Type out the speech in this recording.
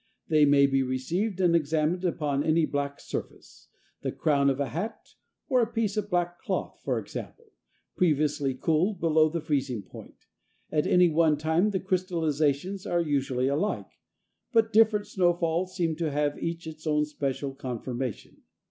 They may be received and examined upon any black surface the crown of a hat, or a piece of black cloth, for example previously cooled below the freezing point. At any one time the crystallizations are usually alike, but different snow falls seem to have each its own special conformation.